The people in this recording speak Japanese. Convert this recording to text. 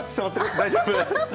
大丈夫？